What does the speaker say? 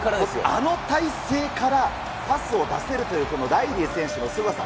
あの体勢からパスを出せるというこのライリー選手のすごさ。